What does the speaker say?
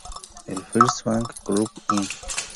El First Banc Group Inc.